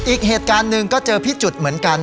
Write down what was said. อีกเหตุการณ์หนึ่งก็เจอพี่จุดเหมือนกัน